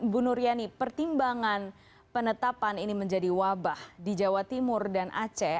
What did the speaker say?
bu nur yani pertimbangan penetapan ini menjadi wabah di jawa timur dan aceh